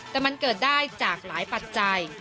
แต่มันเกิดได้จากหลายปัจจัย